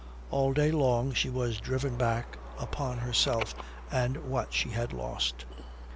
All day long she was driven back upon herself and what she had lost.